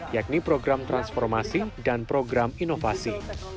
yakni program transformasi dan program inovasi